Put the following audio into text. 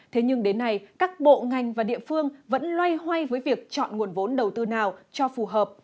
thế nhưng đến nay các bộ ngành và địa phương vẫn loay hoay với việc chọn nguồn vốn đầu tư nào cho phù hợp